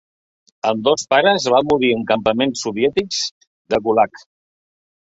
Ambdós pares van morir en campaments soviètics de Gulag